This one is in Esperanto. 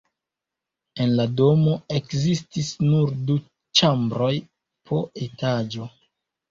En la domo ekzistis nur du ĉambroj po etaĝo.